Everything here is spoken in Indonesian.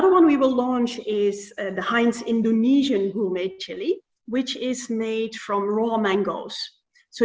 pembelian ini adalah gourmet chili indonesia dari heinz yang dibuat dari mangga asli